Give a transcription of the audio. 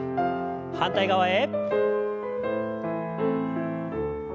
反対側へ。